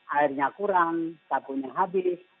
airnya kurang sabunnya habis